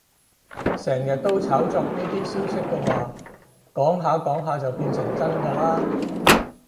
成日都炒作呢啲消息嘅話，講下講下就變成真㗎喇